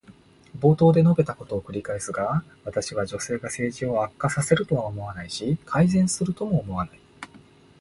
冒頭で述べたことを繰り返すが、私は女性が政治を悪化させるとは思わないし、改善するとも思わない。